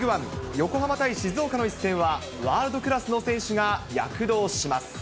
横浜対静岡の一戦は、ワールドクラスの選手が躍動します。